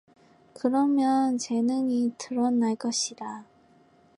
그러면 재능이 드러날 것이다.